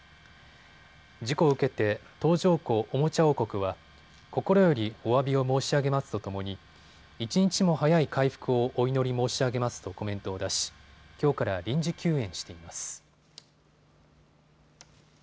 事故を受けて東条湖おもちゃ王国は心よりおわびを申し上げますとともに一日も早い回復をお祈り申し上げますとコメントを出しきょうから臨時休園しています。